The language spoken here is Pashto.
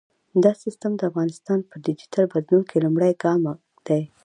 دا سیستم د هیواد په ډیجیټل بدلون کې لومړی ګام دی۔